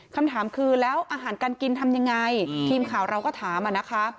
คำถามคือแล้วอาหารการกินทำยังไงทีมข่าวเราก็ถามอะนะคะ